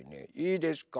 いいですか？